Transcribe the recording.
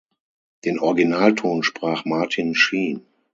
Den Originalton sprach Martin Sheen.